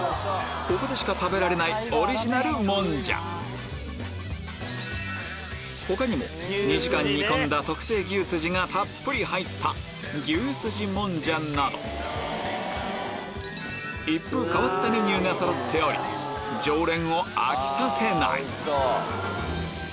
ここでしか食べられないオリジナルもんじゃ他にも２時間煮込んだ特製牛スジがたっぷり入った一風変わったメニューがそろっており常連を飽きさせない